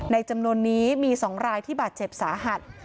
จำนวนนี้มี๒รายที่บาดเจ็บสาหัส